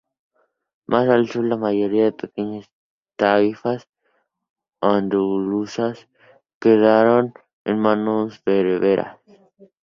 Más al sur, la mayoría de las pequeñas taifas andaluzas quedaron en manos bereberes.